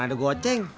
mak ada gue ocing